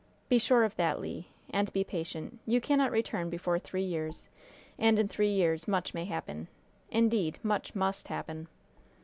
Be sure of that, Le, and be patient. You cannot return before three years, and in three years much may happen indeed, much must happen!"